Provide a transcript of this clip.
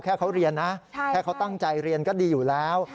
แค่เขาเรียนนะแค่เขาตั้งใจเรียนก็ดีอยู่แล้ว